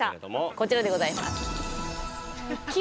こちらでございます。